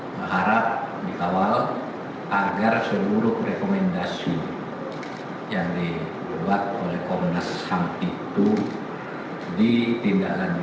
berharap dikawal agar seluruh rekomendasi yang dibuat oleh komnas ham itu ditindaklanjuti